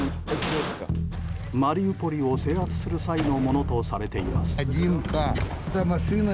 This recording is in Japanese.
マリウポリを制圧する際のものとされています。